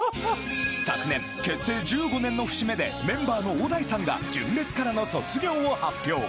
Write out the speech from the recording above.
昨年結成１５年の節目でメンバーの小田井さんが純烈からの卒業を発表